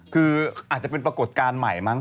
คืออาจจะเป็นปรากฏการณ์ใหม่มั้